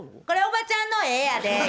これおばちゃんの絵やで」。